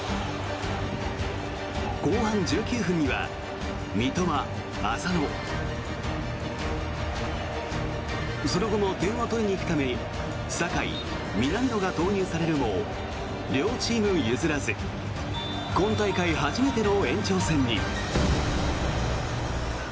後半１９分には三笘、浅野その後も点を取りに行くために酒井、南野が投入されるも両チーム譲らず今大会初めての延長戦に。